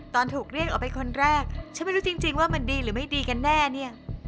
ตอนถูกเรียกออกไปคนแรกฉันไม่รู้จริงว่ามันดีหรือไม่ดีกันแน่เนี่ย